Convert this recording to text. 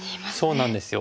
そうなんですよ。